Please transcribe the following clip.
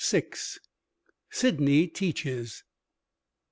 Sydney Teaches.